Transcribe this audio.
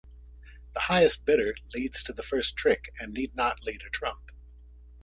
The highest bidder leads to the first trick and need not lead a trump.